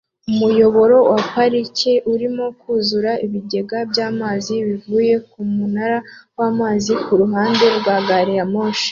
Umuyoboro wa parike urimo kuzuza ibigega byamazi bivuye kumunara wamazi kuruhande rwa gari ya moshi